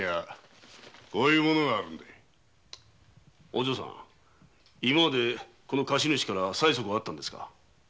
お嬢さん今までこの貸し主から催促はあったんですか？